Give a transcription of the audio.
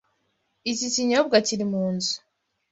Iki kinyobwa kiri munzu.